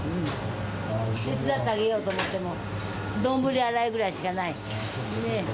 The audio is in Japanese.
手伝ってあげようと思っても、丼洗いぐらいしかない。